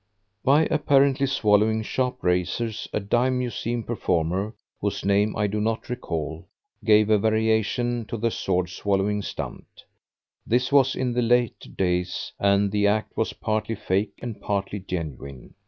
By apparently swallowing sharp razors, a dime museum performer, whose name I do not recall, gave a variation to the sword swallowing stunt. This was in the later days, and the act was partly fake and partly genuine.